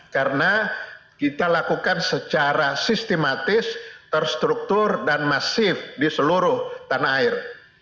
karena kita lakukan secara sistematis terstruktur dan masif di seluruh tanah air